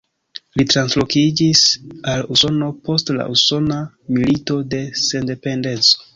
Li translokiĝis al Usono post la Usona Milito de Sendependeco.